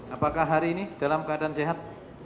apakah hari ini dalam keadaan sehat